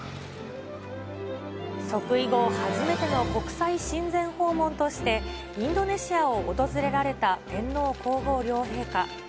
即位後初めての国際親善訪問として、インドネシアを訪れられた天皇皇后両陛下。